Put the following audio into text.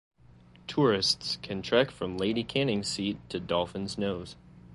Tourists can trek from Lady Canning's Seat to Dolphin's Nose.